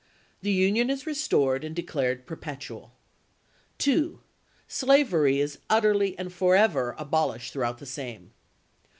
The Union is restored and declared perpetual. 2. Slavery is utterly and forever abolished through out the same.